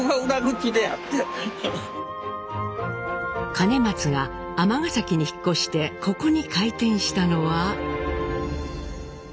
兼松が尼崎に引っ越してここに開店したのは。